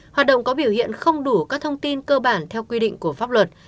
hoạt động có biểu hiện không đủ các thông tin cơ bản theo quy định của pháp luật